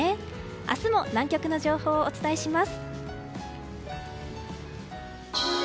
明日も南極の情報をお伝えします。